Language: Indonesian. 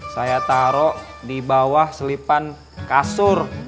saya taro dibawah selipan kasur